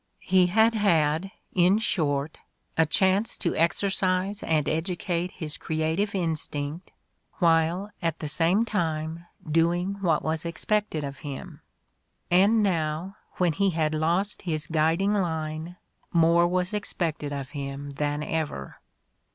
He had had, in short, a chance to exercise and educate his creative instinct while at the same time doing what was expected of him. And now, when he had lost his guiding line, more was expected of him than ever!